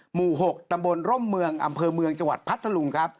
หมู่๖ตำบลร่มเมืองอำเภอเมืองจังหวัดพัทธลุงครับ